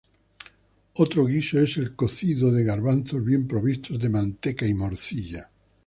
Otro guiso es el cocido de garbanzos bien provisto de manteca y morcilla.